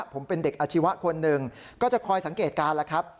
ผมเป็นเด็กอาชีวะคนหนึ่งก็จะคอยสังเกตการณ์แล้วครับ